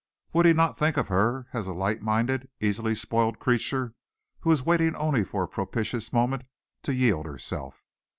Would he not think of her as a light minded, easily spoiled creature who was waiting only for a propitious moment to yield herself?